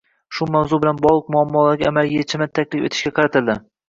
Shu mavzu bilan bogʻliq muammolarga amaliy yechimlar taklif etishga qaratildi.